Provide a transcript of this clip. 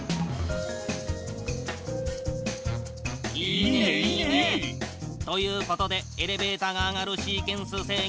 いいねいいね！ということでエレベータが上がるシーケンス制御。